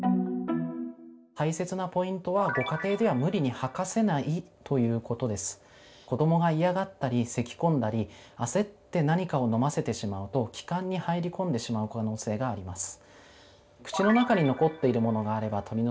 大切なポイントはご家庭では子どもが嫌がったりせきこんだり焦って何かを飲ませてしまうと気管に入り込んでしまう可能性があります。